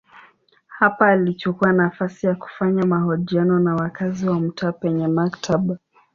Hapa alichukua nafasi ya kufanya mahojiano na wakazi wa mtaa penye maktaba.